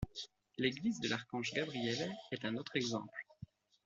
L'église de l'Archange Gabriel est un autre exemple.